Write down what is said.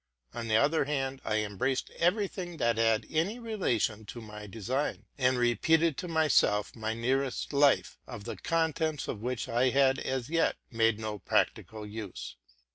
On the other hand, I embraced every thing that had any relation to my design, and repeated to myself my nearest life, of the contents of which I had as yet made ne practical use.